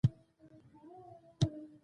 د دوی قومي حسادت واک ته رسېدل غواړي.